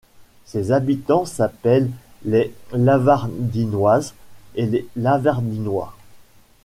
Ses habitants s'appellent les Lavardinoises et les Lavardinois.